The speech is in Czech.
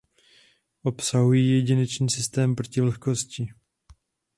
Obsahují jedinečný systém proti vlhkosti.